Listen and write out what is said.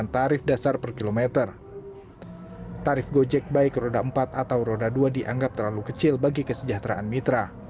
tarif gojek baik roda empat atau roda dua dianggap terlalu kecil bagi kesejahteraan mitra